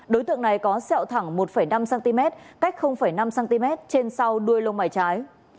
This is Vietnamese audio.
đối tượng này có xeo thẳng một năm cm cách năm cm trên sau đuôi lông mải trái